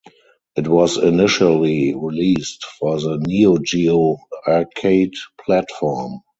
It was initially released for the Neo Geo arcade platform.